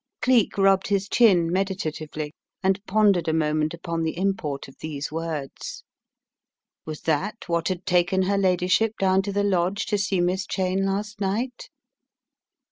Cleek rubbed his chin meditatively, and pondered a moment upon the import of these words. Was that what had taken her ladyship down to the lodge to see Miss Cheyne last night?